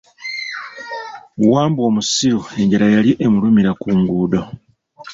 Wambwa omusiru enjala yali emulumira ku nguudo.